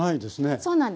そうなんですよ。